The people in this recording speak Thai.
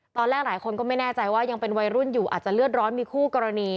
หลายคนก็ไม่แน่ใจว่ายังเป็นวัยรุ่นอยู่อาจจะเลือดร้อนมีคู่กรณี